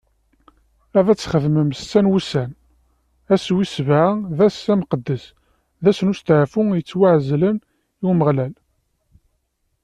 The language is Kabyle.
Ad txeddmem setta n wussan, ass wis sebɛa d ass imqeddes, d ass n usteɛfu yettwaɛezlen i Umeɣlal.